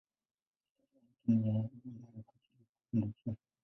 Historia yake ni ya aibu na ya ukatili kupindukia.